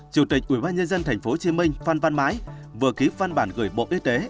chủ tịch ubnd tp hcm phan văn mãi vừa ký phan bản gửi bộ y tế